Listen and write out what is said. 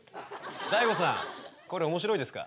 大悟さんこれおもしろいですか？